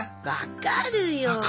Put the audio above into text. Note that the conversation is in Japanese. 分かるよ。